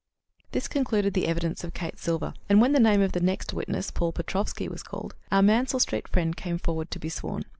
This concluded the evidence of Kate Silver, and when the name of the next witness, Paul Petrofsky, was called, our Mansell Street friend came forward to be sworn.